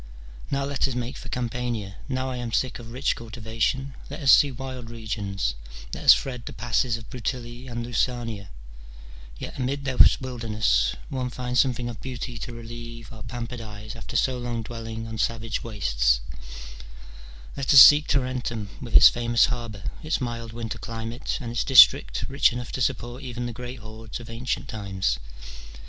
" Now let us make for Campania : now I am sick of rich cultivation : let us see wild regions, let us thread the passes of Bruttii and Lucania : yet amid this wilderness one wants some thing of beauty to relieve our pampered eyes after so long dwelling on savage wastes : let us seek Tarentum with its famous harbour, its mild winter climate, and its district, rich enough to support even the great hordes of ancient times.